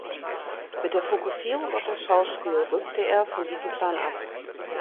Mit der Fokussierung auf das Schauspiel rückte er von diesem Plan ab.